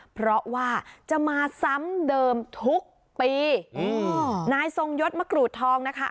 เพราะว่าจะมาซ้ำเดิมทุกปีอืมนายทรงยศมะกรูดทองนะคะ